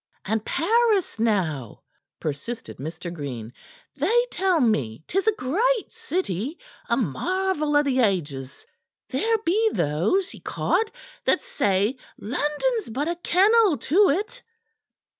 "And Paris, now," persisted Mr. Green. "They tell me 'tis a great city; a marvel o' th' ages. There be those, ecod! that say London's but a kennel to't."